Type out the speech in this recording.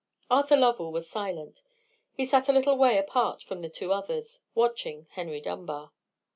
Arthur Lovell was silent: he sat a little way apart from the two others, watching Henry Dunbar.